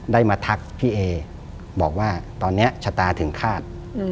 ได้มาทักพี่เอบอกว่าตอนนี้ชะตาถึงฆาต